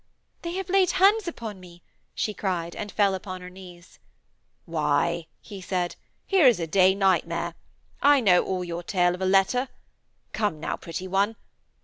'They have laid hands upon me,' she cried and fell upon her knees. 'Why,' he said, 'here is a day nightmare. I know all your tale of a letter. Come now, pretty one.